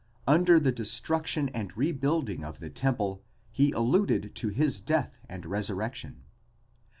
under the destruction and rebuilding of the temple, he alluded to his death and resurrection.